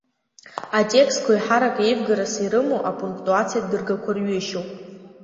Атекстқәа еиҳарак еивгарас ирымоу апунктуациатә дыргақәа рҩышьоуп.